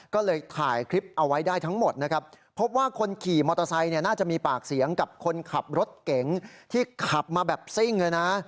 ก็เลยถ่ายคลิปเอาไว้ได้ทั้งหมดนะครับพบว่าคนขี่มอเตอร์ไซค์เนี่ยน่าจะมีปากเสียงกับคนขับรถเก๋งที่ขับมาแบบซิ่งเลยนะ